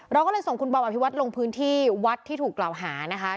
เราก็เลยส่งคุณบอมอภิวัตรลงพื้นที่วัดที่ถูกกล่าวหานะคะ